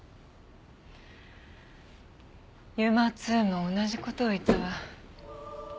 ＵＭＡ−Ⅱも同じ事を言ったわ。